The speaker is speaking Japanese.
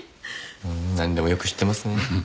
なんでもよく知ってますね。